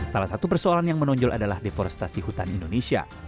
salah satu persoalan yang menonjol adalah deforestasi hutan indonesia